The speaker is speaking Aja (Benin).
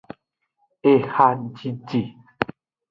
Ehajiji.